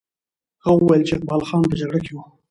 هغه وویل چې اقبال خان په جګړه کې وو.